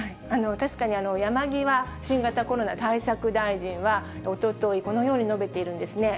確かに山際新型コロナ対策大臣は、おととい、このように述べているんですね。